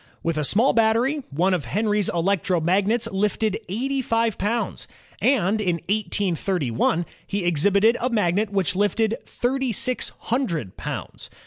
With a small battery, one of Henry's electromagnets lifted eighty five poimds, and in 183 1 he exhibited a magnet which lifted thirty six himdred poimds.